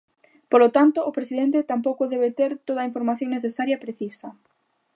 Polo tanto, o presidente tampouco debe ter toda a información necesaria e precisa.